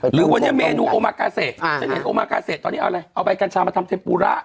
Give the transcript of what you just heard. หรือวันนี้เมนูโอมากาเซฉันเห็นโอมากาเซตอนนี้เอาอะไรเอาใบกัญชามาทำเทมปูระ